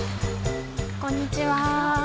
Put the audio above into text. こんにちは。